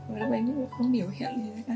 một lúc anh không hiểu hiện gì ra cả